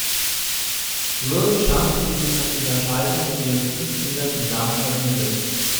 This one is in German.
Lily Chun ließ sich nach ihrer Scheidung mit ihren fünf Kindern in Darmstadt nieder.